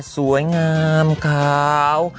สวยงามขาว